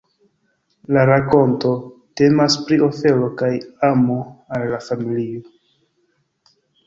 La rakonto temas pri ofero kaj amo al la familio.